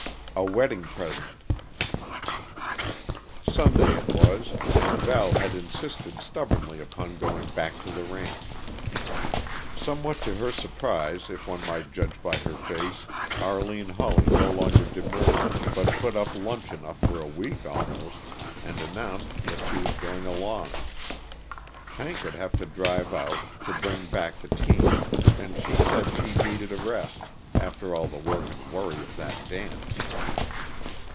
A WEDDING PRESENT Sunday it was, and Val had insisted stubbornly upon going back to the ranch; somewhat to her surprise, if one might judge by her face, Arline Hawley no longer demurred, but put up lunch enough for a week almost, and announced that she was going along. Hank would have to drive out, to bring back the team, and she said she needed a rest, after all the work and worry of that dance.